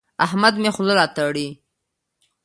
احمد مې خوله راتړي.